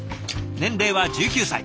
年齢は１９歳。